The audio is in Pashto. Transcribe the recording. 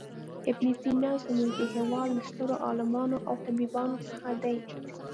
ابن سینا زموږ د هېواد له سترو عالمانو او طبیبانو څخه دی.